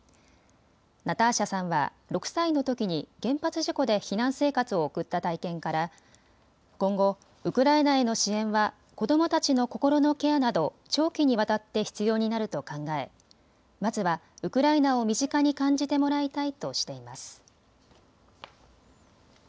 ナターシャさんは６歳のときに原発事故で避難生活を送った体験から今後、ウクライナへの支援は子どもたちの心のケアなど長期にわたって必要になると考え、まずはウクライナを身近に感じてもらいたいとしています。